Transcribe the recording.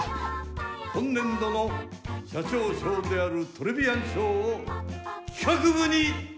今年度の社長賞であるトレビアン賞を企画部に授与します。